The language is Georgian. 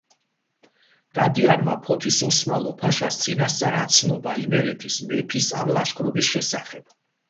დადიანმა ფოთის ოსმალო ფაშას წინასწარ აცნობა იმერეთის მეფის ამ ლაშქრობის შესახებ.